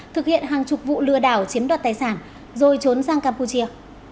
thực hiện hàng chục vụ lừa đảo chiếm đoạt tài sản rồi trốn sang campuchia